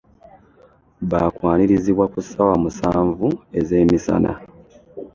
Ba kwanirizibwa ku ssaawa musanvu ez'emisana